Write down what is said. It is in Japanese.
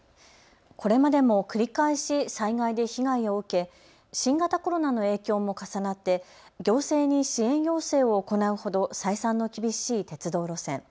これまでも繰り返し災害で被害を受け新型コロナの影響も重なって行政に支援要請を行うほど採算の厳しい鉄道路線。